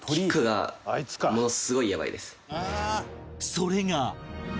それが